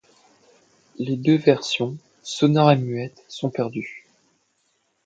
Les deux versions, sonore et muette, sont perdues.